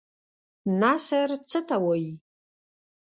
نثر څه ته وايي؟